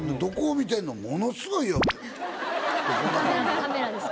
カメラです。